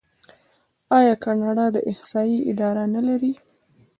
آیا کاناډا د احصایې اداره نلري؟